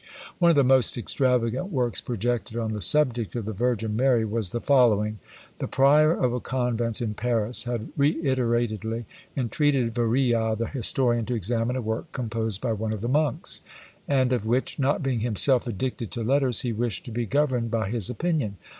One of the most extravagant works projected on the subject of the Virgin Mary was the following: The prior of a convent in Paris had reiteratedly entreated Varillas the historian to examine a work composed by one of the monks; and of which not being himself addicted to letters he wished to be governed by his opinion.